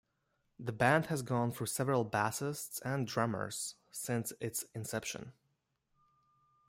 The band has gone through several bassists and drummers since its inception.